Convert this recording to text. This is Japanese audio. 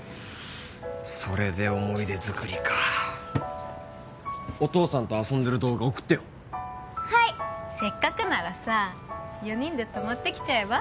それで思い出づくりかお父さんと遊んでる動画送ってよはいせっかくならさ４人で泊まってきちゃえば？